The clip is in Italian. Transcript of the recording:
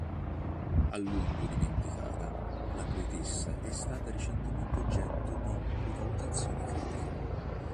A lungo dimenticata, la poetessa è stata recentemente oggetto di rivalutazione critica.